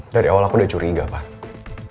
dari awal aku udah curiga pak